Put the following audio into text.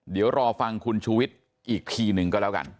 เดี๋ยวรอฟังคุณชูวิทย์อีกทีหนึ่งก็แล้วกัน